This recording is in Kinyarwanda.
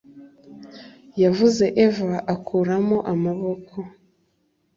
Yavuze Eva akuramo amaboko